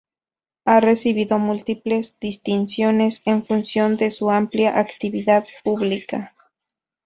Ha recibido múltiples distinciones en función de su amplia actividad pública.